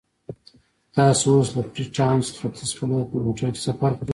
تاسو اوس له فري ټاون څخه ختیځ په لور په موټر کې سفر کوئ.